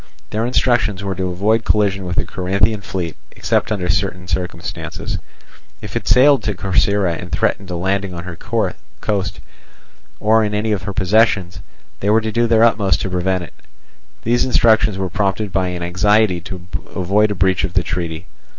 Their instructions were to avoid collision with the Corinthian fleet except under certain circumstances. If it sailed to Corcyra and threatened a landing on her coast, or in any of her possessions, they were to do their utmost to prevent it. These instructions were prompted by an anxiety to avoid a breach of the treaty.